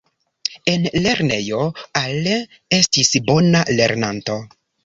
En lernejo, Alain estis bona lernanto.